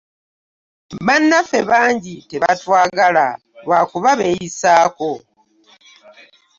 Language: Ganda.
Bannaffe bangi tebatwagala lwakuba beeyisaako.